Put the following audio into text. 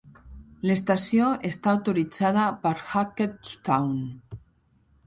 L'estació està autoritzada per Hackettstown.